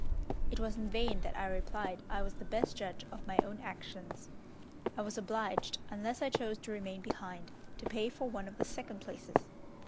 It was in vain that I replied I was the best judge of my own actions; I was obliged, unless I chose to remain behind, to pay for one of the second places.